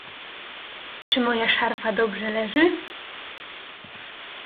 "Czy moja szarfa dobrze leży?"